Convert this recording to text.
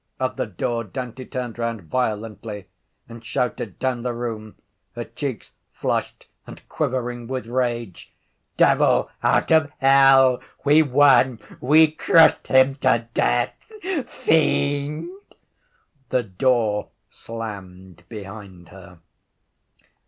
At the door Dante turned round violently and shouted down the room, her cheeks flushed and quivering with rage: —Devil out of hell! We won! We crushed him to death! Fiend! The door slammed behind her.